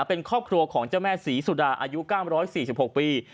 เป็นครอบครัวของเจ้าแม่ศรีสุดาอายุ๙๔๖ปี